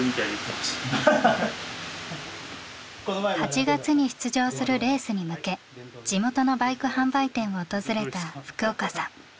８月に出場するレースに向け地元のバイク販売店を訪れた福岡さん。